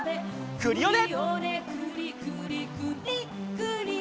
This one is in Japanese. クリオネ！